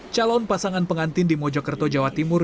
calon pasangan pengantin di mojokerto jawa timur